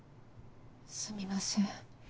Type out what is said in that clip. すみません。